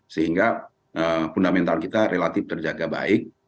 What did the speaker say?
sehingga fundamental kita relatif terjaga baik